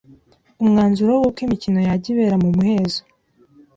umwanzuro w’uko imikino yajya ibera mu muhezo